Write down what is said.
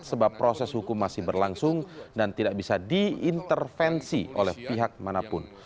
sebab proses hukum masih berlangsung dan tidak bisa diintervensi oleh pihak manapun